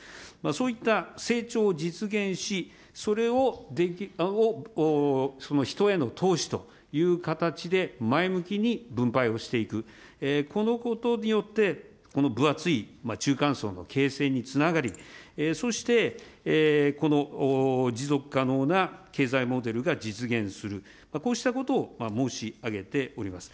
そういった成長を実現し、それを人への投資という形で前向きに分配をしていく、このことによって、分厚い中間層の形成につながり、そしてこの持続可能な経済モデルが実現する、こうしたことを申し上げております。